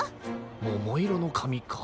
ももいろのかみか。